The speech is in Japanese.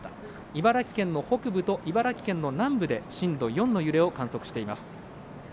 茨城県の北部と南部で震度４の揺れを観測しています。